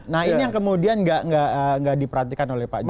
nah ini yang kemudian tidak diperhatikan oleh pak jokowi